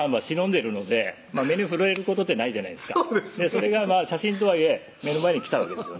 それが写真とはいえ目の前に来たわけですよね